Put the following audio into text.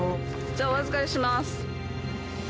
じゃあ、お預かりします。